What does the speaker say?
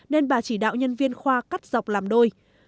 nên bà chỉ đạo nhân viên khoa cắt dọc làm đôi